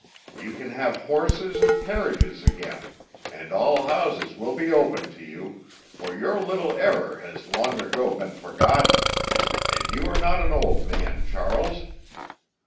You can have horses and carriages again, and all houses will be open to you, for your little error has long ago been forgotten. And you are not an old man, Charles."